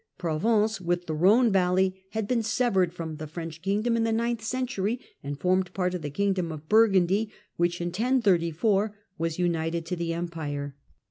Provence, with the Khone valley, had been severed from the French kingdom in the ninth century, and formed part of the kingdom of Burgundy, which in 1034 was united to the Empire (see p.